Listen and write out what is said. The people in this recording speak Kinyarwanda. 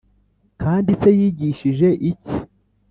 kandi se yigishije iki?